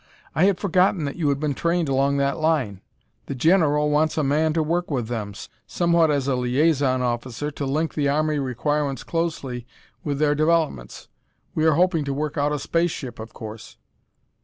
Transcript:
"I had forgotten that you had been trained along that line. The general wants a man to work with them, somewhat as a liason officer to link the army requirements closely with their developments; we are hoping to work out a space ship, of course.